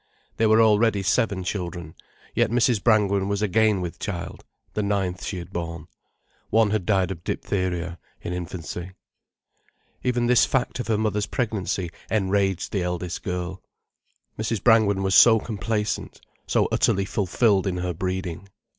There were already seven children, yet Mrs. Brangwen was again with child, the ninth she had borne. One had died of diphtheria in infancy. Even this fact of her mother's pregnancy enraged the eldest girl. Mrs. Brangwen was so complacent, so utterly fulfilled in her breeding.